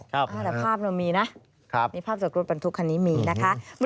แต่ภาพมันมีนะนี่ภาพสดกรุษบรรทุกคันนี้มีนะฮะ